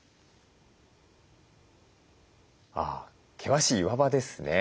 あ険しい岩場ですね。